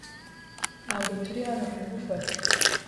Ntabwo turi hano kugufata.